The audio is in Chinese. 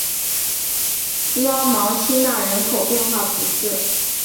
拉芒辛讷人口变化图示